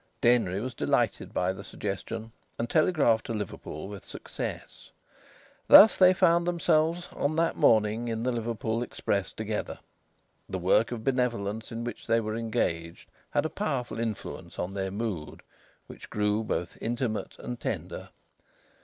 Denry was delighted by the suggestion, and telegraphed to Liverpool with success. Thus they found themselves on that morning in the Liverpool express together. The work of benevolence in which they were engaged had a powerful influence on their mood, which grew both intimate and tender.